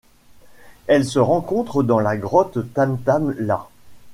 Elle se rencontre dans la grotte Tham Than La.